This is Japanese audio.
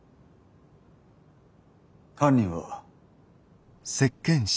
犯人は。